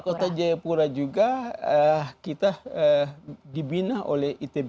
kota jayapura juga kita dibina oleh itb